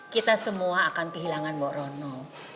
kita semua akan kehilangan mbak rono